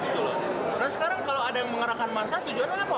dan sekarang kalau ada yang mengerahkan masa tujuan apa